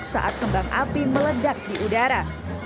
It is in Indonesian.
saat kembang api meledak di udara